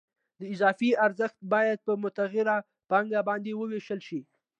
اضافي ارزښت باید په متغیره پانګه باندې ووېشل شي